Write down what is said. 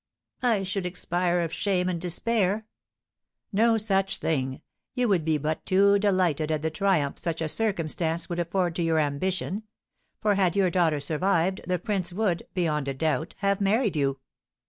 "I should expire of shame and despair!" "No such thing! You would be but too delighted at the triumph such a circumstance would afford to your ambition; for had your daughter survived, the prince would, beyond a doubt, have married you."